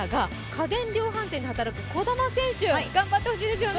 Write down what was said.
家電量販店で働く児玉選手、頑張ってほしいですよね。